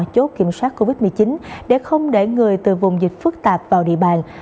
chốt kiểm soát covid một mươi chín để không để người từ vùng dịch phức tạp vào địa bàn